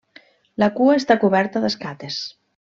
La cua està coberta d'escates.